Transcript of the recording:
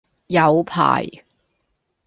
有排